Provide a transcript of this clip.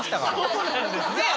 そうなんですね。